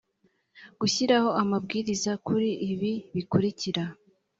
gushyiraho amabwiriza kuri ibi bikurikira